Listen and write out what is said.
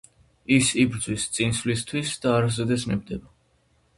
ის იბრძვის წინსვლისთვის და არასოდეს ნებდება.